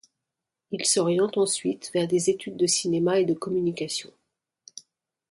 Il s’oriente ensuite vers des études de cinéma et de communication.